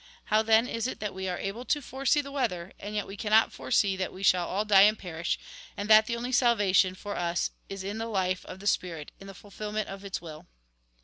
How, then, is it that we are able to foresee the weather, and yet we cannot foresee that we shall all die and perish, and that the only salvation for us is in the life of the spirit, in the fulfilment of its will